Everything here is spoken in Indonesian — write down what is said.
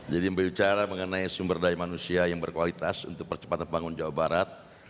jadi membicarakan mengenai sumber daya manusia yang berkualitas untuk percepatan pembangunan jawa barat